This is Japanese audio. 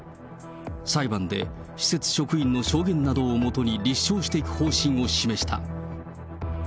裁判で施設職員の証言などをもとに立証していく方針を示した。